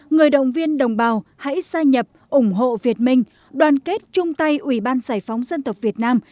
người động viên đồng bào hãy gia nhập ủng hộ việt minh đoàn kết chung tay ủy ban giải phóng dân tộc việt nam